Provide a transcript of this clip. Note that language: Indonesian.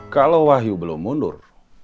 kalau wahyu belum mundur